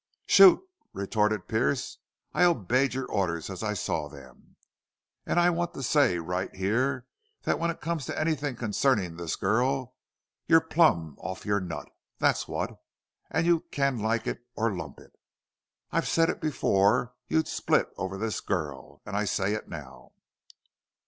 "Shoot!" retorted Pearce. "I obeyed orders as I saw them.... An' I want to say right here thet when it comes to anythin' concernin' this girl you're plumb off your nut. That's what. An' you can like it or lump it! I said before you'd split over this girl. An' I say it now!"